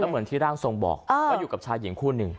เหมือนที่ร่างทรงบอกว่าอยู่กับชายหญิงคู่หนึ่ง